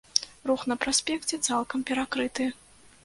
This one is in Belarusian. Рух на праспекце цалкам перакрыты.